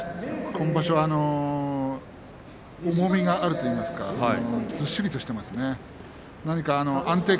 今場所は重みがあるといいますか、ずっしりとしていますね。